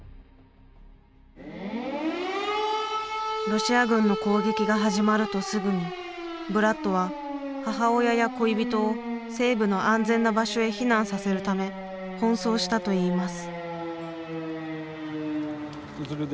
ロシア軍の攻撃が始まるとすぐにブラッドは母親や恋人を西部の安全な場所へ避難させるため奔走したといいます。